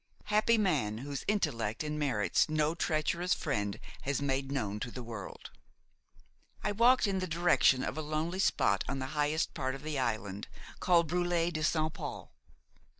Happy man, whose intellect and merits no treacherous friend has made known to the world! I walked in the direction of a lonely spot in the highest part of the island, called Brulé de Saint Paul.